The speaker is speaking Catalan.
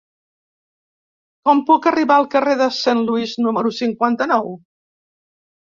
Com puc arribar al carrer de Saint Louis número cinquanta-nou?